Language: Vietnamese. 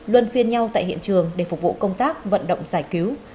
luân phiên nhau tại hiện trường để phục vụ công tác vận động giải cứu